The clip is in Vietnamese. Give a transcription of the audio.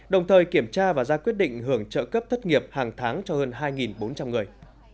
đồng thời kiểm tra và ra quyết định hưởng trợ cấp thất nghiệp hàng tháng cho hơn hai bốn trăm linh người